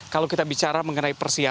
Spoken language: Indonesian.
kalau kita bicara mengenai persiapan